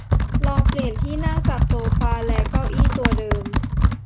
ลองเปลี่ยนที่นั่งจากโซฟาและเก้าอี้ตัวเดิม